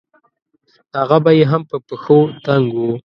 هغه به يې هم په پښو تنګ وو.